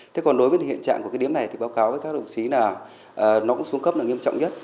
thế còn đối với hiện trạng của cái điếm này thì báo cáo với các đồng chí là nó cũng xuống cấp là nghiêm trọng nhất